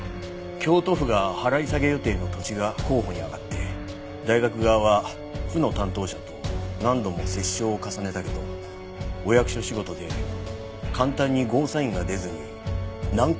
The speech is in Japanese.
京都府が払い下げ予定の土地が候補に挙がって大学側は府の担当者と何度も折衝を重ねたけどお役所仕事で簡単にゴーサインが出ずに難航しかけた時。